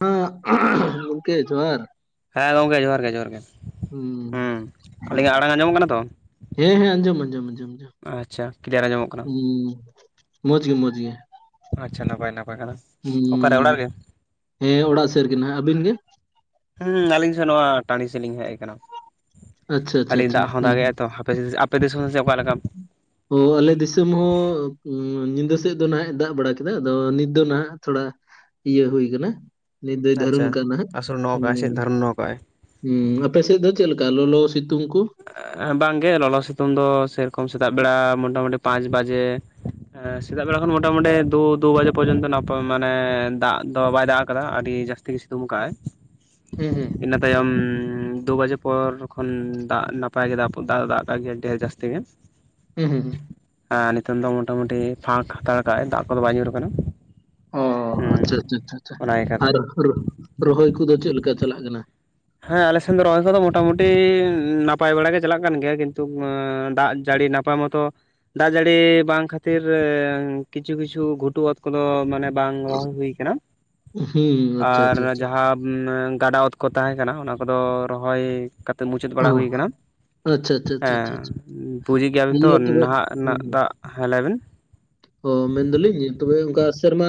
ᱦᱩᱸ [unintelligible] ᱜᱚᱝᱠᱮ ᱡᱚᱦᱟᱨ᱾ ᱦᱮᱸ ᱜᱚᱝᱠᱮ ᱡᱚᱦᱟᱨ ᱜᱮ ᱡᱚᱦᱟᱨ ᱜᱮ᱾ ᱦᱩᱸ ᱟᱹᱞᱤᱧᱟᱜ ᱟᱲᱟᱝ ᱟᱸᱡᱚᱢᱚᱜ ᱠᱟᱱᱟ ᱛᱚ? ᱦᱮᱸᱦᱮᱸ ᱟᱸᱡᱚᱢ ᱟᱸᱡᱚᱢ ᱟᱸᱡᱚᱢ᱾ ᱟᱪᱪᱷᱟ ᱠᱞᱤᱭᱟᱨ ᱟᱸᱟᱢᱚᱜ ᱠᱟᱱᱟ᱾ ᱦᱩᱸ ᱢᱚᱡᱽ ᱜᱮ ᱢᱚᱡᱽ ᱜᱮ᱾ ᱟᱪᱪᱷᱟ ᱱᱟᱯᱟᱭ ᱱᱟᱯᱟᱭ ᱠᱟᱱᱟ᱾ ᱦᱩᱸ ᱦᱮᱸ ᱚᱲᱟᱜ ᱥᱮᱨᱜᱮᱱ ᱦᱟᱸᱜ ᱟᱹᱵᱤᱱ ᱜᱮ? ᱦᱮᱸ ᱟᱹᱞᱤᱧ ᱥᱮᱫ ᱱᱚᱣᱟ ᱴᱟᱺᱰᱤ ᱥᱮᱫ ᱞᱤᱧ ᱦᱮᱡ ᱟᱠᱟᱱᱟ᱾ ᱟᱪᱪᱷᱟ ᱟᱪᱪᱷᱟ ᱟᱹᱰᱤ ᱟᱪᱪᱷᱟ ᱫᱟᱜ ᱦᱚᱸ ᱦᱩᱸ ᱫᱟᱜ ᱦᱩᱸ᱾ ᱮ-ᱟ ᱛᱚ ᱦᱟᱯᱮ ᱥᱮ ᱟ- ᱯᱮ ᱫᱤᱥᱚᱢ ᱥᱮ ᱚᱠᱟ ᱞᱮᱠᱟ? ᱚ ᱟᱞᱮ ᱫᱤᱥᱚᱢ ᱦᱚᱸ ᱧᱤᱫᱟᱹ ᱥᱮᱫ ᱫᱚ ᱱᱟᱦᱟᱜ ᱮ ᱫᱟᱜ ᱵᱟᱲᱟ ᱠᱮᱫᱟ᱾ ᱟᱫᱚ ᱱᱤᱛ ᱫᱚ ᱱᱟᱦᱟᱜ ᱛᱷᱚᱲᱟ ᱤᱭᱟᱹ ᱦᱩᱭ ᱠᱟᱱᱟ ᱱᱤᱛ ᱫᱚᱭ ᱫᱷᱟᱨᱩᱱ ᱟᱪᱪᱷᱟ ᱠᱟᱱᱟ ᱦᱟᱸᱜ, ᱟᱥᱳᱲ ᱱᱚ ᱦᱮᱞᱳ ᱠᱟᱜᱼᱟᱭ ᱥᱮ ᱫᱷᱟᱨᱚᱱ ᱱᱚ ᱠᱟᱜᱼᱟᱭ ᱦᱩᱸ ᱟᱯᱮ ᱥᱮᱫ ᱫᱚ ᱪᱮᱫ ᱞᱮᱠᱟ ᱞᱚᱞᱚ, ᱥᱤᱛᱩᱝ ᱠᱩ? ᱵᱟᱝ ᱜᱮ ᱞᱚᱞᱚ ᱥᱮᱛᱩᱝ ᱫᱚ ᱥᱮᱨᱚᱠᱚᱢ ᱥᱮᱛᱟᱜ ᱵᱮᱲᱟ ᱢᱳᱴᱟᱢᱩᱴᱤ ᱯᱟᱸᱪ ᱵᱟᱡᱮ ᱮᱸ ᱥᱮᱛᱟᱜ ᱵᱮᱲᱟ ᱠᱷᱚᱱ ᱢᱚᱴᱟ ᱢᱩᱩᱴᱤ ᱫᱩ ᱫᱩ ᱵᱟᱡᱮ ᱯᱚᱨᱡᱚᱱᱛᱚᱯᱚᱭ ᱢᱟᱱᱮ ᱫᱟᱜ ᱫᱚ ᱵᱟᱭ ᱫᱟᱜ ᱟᱠᱟᱫᱟ ᱟᱹᱰᱤ ᱡᱟᱹᱥ- ᱛᱤᱭ ᱥᱤᱛᱩᱢ ᱠᱟᱜ-ᱟᱭ᱾ ᱦᱩᱸ ᱦᱩᱸ᱾ ᱛᱟᱭᱚᱢ ᱫᱩ ᱵᱟᱡᱮ ᱯᱚᱨ ᱠᱷᱚᱱ ᱫᱟᱜ ᱱᱟᱯᱟᱭ ᱜᱮ ᱫᱟᱜ ᱫᱚ ᱫᱟᱜ ᱜᱮᱭᱟ ᱰᱷᱮᱨ ᱡᱟᱹᱥᱛᱤ ᱜᱮ᱾ ᱦᱩ ᱦᱩᱸ ᱦᱩᱸ᱾ ᱦᱮᱸ ᱱᱤᱛᱚᱝ ᱫᱚ ᱢᱚᱴᱟᱢᱩᱴᱤ ᱯᱷᱟᱸᱠ ᱦᱟᱛᱟᱲ ᱠᱟᱜ-ᱟᱭ ᱫᱟᱜ ᱠᱚᱫᱚ ᱵᱟᱭ ᱧᱩᱨ ᱟᱠᱟᱱᱟ᱾ ᱚ ᱟᱪᱪᱷᱟ ᱟᱪᱪᱷᱟ ᱚᱱᱟ ᱞᱮᱠᱟᱛᱮ ᱟᱨ ᱨᱚᱦᱚᱭ ᱠᱚᱫᱚ ᱪᱮᱫ ᱞᱮᱠᱟ ᱪᱟᱞᱟᱜ ᱠᱟᱱᱟ? ᱦᱮᱸ ᱟᱞᱮ ᱥᱮᱱ ᱫᱚ ᱨᱚᱦᱚᱭ ᱠᱚᱫᱚ ᱢᱚᱴᱟ ᱢᱩᱴᱤ ᱱᱟᱯᱟᱭ ᱵᱟᱲᱟ ᱜᱮ ᱪᱟᱞᱟᱜ ᱠᱟᱱ ᱜᱮᱭᱟ᱾ ᱠᱤᱱᱛᱩ ᱫᱟᱜ ᱡᱟᱹᱲᱤ ᱱᱟᱯ- ᱟᱭ ᱢᱚᱛᱚ ᱫᱟᱜ ᱡᱟᱹᱲᱤ ᱵᱟᱝ ᱠᱷᱟᱹᱛᱤᱨ ᱠᱤᱪᱷᱩ ᱠᱤᱪᱷᱩ ᱜᱷᱩᱴᱩ ᱚᱛ ᱠᱚᱫᱚ ᱢᱟᱱᱮ ᱵᱟᱝ ᱨᱚᱦᱚᱭ ᱦᱩᱭ ᱠᱟᱱᱟ᱾ ᱦᱩᱸ ᱟᱪᱪᱷᱟ ᱟᱨ ᱟᱪᱪᱷᱟ ᱟᱪᱷᱟ, ᱡᱟᱦᱟᱸ ᱜᱟᱰᱟ ᱚᱛ ᱠᱚ ᱛᱟᱦᱮᱸ ᱠᱟᱱᱟ ᱚᱱᱟ ᱠᱚᱫᱚ ᱨᱚᱦᱚᱭ ᱠᱟᱛᱮᱫ ᱢᱩᱪᱟᱹᱫ ᱵᱟᱲᱟ ᱚ ᱦᱩᱭ ᱠᱟᱱᱟ᱾ ᱟᱪᱪᱷᱟ, ᱟᱪᱪᱷᱟ, ᱟᱪᱪᱷᱟ, ᱦᱮᱸ ᱟᱪᱪᱷᱟ, ᱟᱪᱪᱷᱟ, ᱵᱩᱡᱽ ᱮ ᱜᱮᱭᱟᱵᱤᱱ ᱛᱚ ᱤᱭᱟᱹ ᱛᱚᱵᱮ ᱱᱟᱦᱟᱜ ᱦᱩᱸ, ᱨᱮᱱᱟᱜ ᱦᱩᱸ, ᱫᱟᱜ ᱦᱮᱸ ᱞᱟᱹᱭᱵᱤᱱ᱾ ᱚ ᱢᱮᱱᱫᱟᱞᱤᱧ, ᱛᱚᱵᱮ ᱚᱱᱠᱟ ᱥᱮᱨᱢᱟ